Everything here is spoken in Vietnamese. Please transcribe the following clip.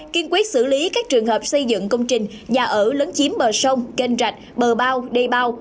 kiên quyết xử lý các trường hợp xây dựng công trình nhà ở lấn chiếm bờ sông kênh rạch bờ bao đầy bao